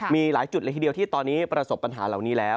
มีหลายจุดเลยทีเดียวที่ตอนนี้ประสบปัญหาเหล่านี้แล้ว